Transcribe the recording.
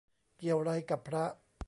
เกี่ยวไรกับพระ